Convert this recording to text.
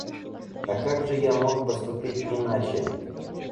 А как же я мог поступить иначе?